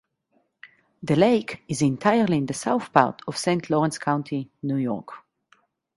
The lake is entirely in the south part of Saint Lawrence County, New York.